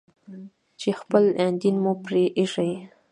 چې خپل دين مو پرې ايښى.